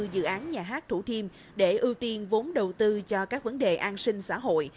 dự án nhà hát thủ thiêm để ưu tiên vốn đầu tư cho các vấn đề an sinh xã hội